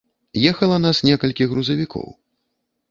Ехала нас некалькі грузавікоў.